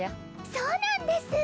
そうなんですぅ。